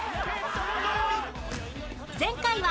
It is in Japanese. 前回は